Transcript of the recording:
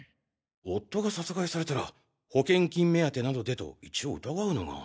夫が殺害されたら保険金目当てなどでと一応疑うのが。